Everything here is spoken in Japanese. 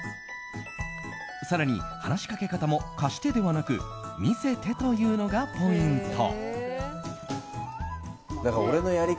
更に、話しかけ方も貸してではなく見せてと言うのがポイント。